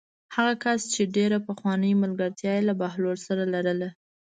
هغه کس چې ډېره پخوانۍ ملګرتیا یې له بهلول سره لرله.